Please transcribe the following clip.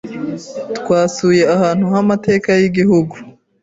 Twasuye ahantu h'amateka y'igihugu.